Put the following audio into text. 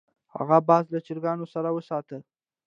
هغه باز له چرګانو سره وساته.